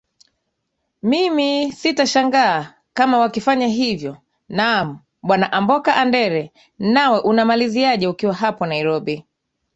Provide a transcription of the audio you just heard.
mimi sitashangaa kama wakifanya hivyo naam bwana amboka andere nawe unamaliziaje ukiwa hapo nairobi